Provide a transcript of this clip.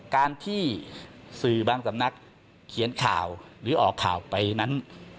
การที่สื่อบางสำนักเขียนข่าวหรือออกข่าวไปนั้น